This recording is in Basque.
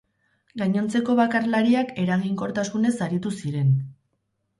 Gainontzeko bakarlariak eraginkortasunez aritu ziren.